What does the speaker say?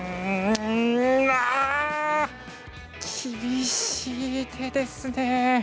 厳しい手ですね。